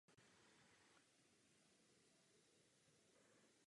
Dnešní rozprava je toho výborným dokladem.